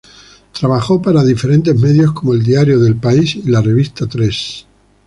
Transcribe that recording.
Trabajo para diferentes medios como el diario el El País y la revista Tres.